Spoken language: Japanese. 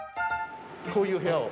こういう部屋を。